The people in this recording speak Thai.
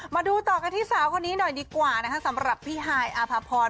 มาดูต่อกันที่สาวคนนี้หน่อยดีกว่านะคะสำหรับพี่ฮายอาภาพร